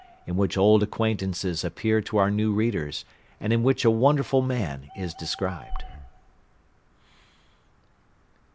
IN WHICH OLD ACQUAINTANCES APPEAR TO OUR NEW READERS, AND IN WHICH A WONDERFUL MAN IS DESCRIBED.